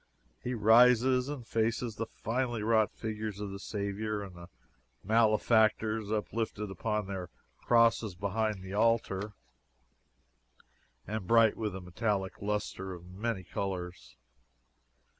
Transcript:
He rises and faces the finely wrought figures of the Saviour and the malefactors uplifted upon their crosses behind the altar, and bright with a metallic lustre of many colors.